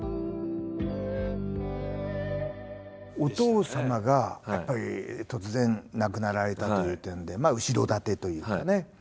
お父様がやっぱり突然亡くなられたという点でまあ後ろ盾というかね